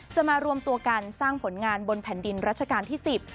จะมารวมตัวกันสร้างผลงานบนแผ่นดินรัชกาลที่๑๐